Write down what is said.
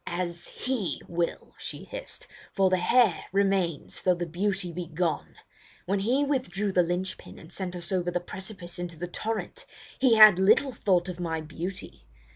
"As he will," she hissed; "for the hair remains though the beauty be gone. When he withdrew the lynch pin and sent us over the precipice into the torrent, he had little thought of my beauty.